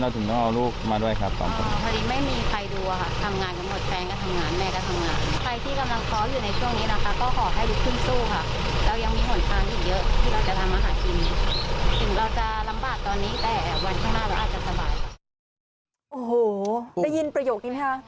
โอ้โหได้ยินประโยคนี้ไหมคะ